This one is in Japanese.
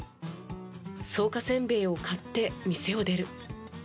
草加せんべいを買って店を出る。